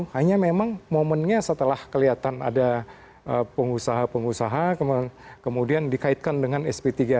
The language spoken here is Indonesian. hanya memang momennya setelah kelihatan ada pengusaha pengusaha kemudian dikaitkan dengan sp tiga